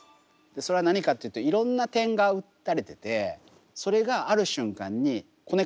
それは何かっていうといろんな点が打たれててそれがある瞬間にコネクトつながる。